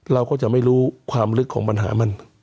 เราก็จะไม่รู้ความลึกของปัญหามัน